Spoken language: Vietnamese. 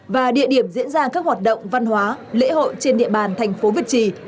và địa điểm diễn ra các hoạt động văn hóa lễ hội trên địa bàn thành phố việt trì